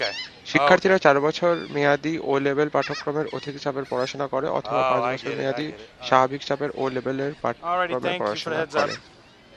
শিক্ষার্থীরা চার বছর মেয়াদী ও-লেবেল পাঠ্যক্রমের অধিক চাপের পড়াশোনা করে অথবা পাঁচ বছর মেয়াদী স্বাভাবিক চাপের ও-লেবেল পাঠ্যক্রমে পড়াশোনা করে।